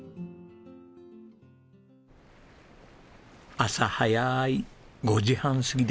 朝早い５時半過ぎです。